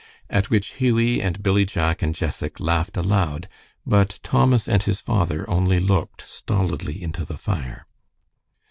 At which Hughie and Billy Jack and Jessac laughed aloud, but Thomas and his father only looked stolidly into the fire.